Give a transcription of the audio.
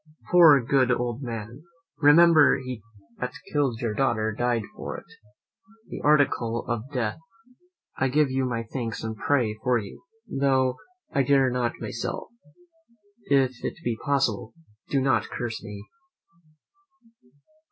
Poor good old man! Remember, he that killed your daughter died for it. In the article of death, I give you my thanks and pray for you, though I dare not for myself. If it be possible, do not curse me."